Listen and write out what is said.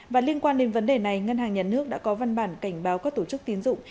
và liên quan đến vấn đề này ngân hàng nhà nước đã có văn bản cảnh báo các tổ chức tiến dụng